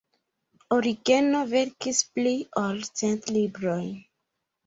Origeno verkis pli ol cent librojn.